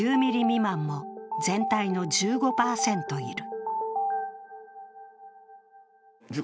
１０ミリ未満も全体の１５％いる。